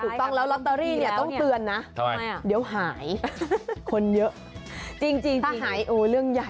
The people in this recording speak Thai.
ถูกต้องแล้วลอตเตอรี่ต้องเตือนนะเดี๋ยวหายคนเยอะ